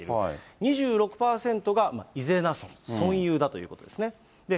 ２６％が伊是名村、村有だということですね。